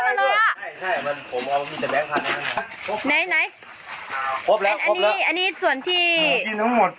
ใช่ใช่มันผมเอามีแต่แบงค์ภาคน้อยไหนไหนครบแล้วครบแล้วอันนี้อันนี้ส่วนที่หนูกินทั้งหมด